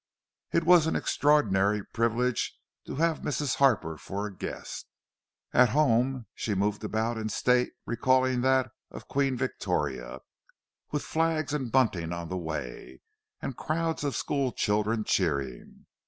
It was an extraordinary privilege to have Mrs. Harper for a guest; "at home" she moved about in state recalling that of Queen Victoria, with flags and bunting on the way, and crowds of school children cheering.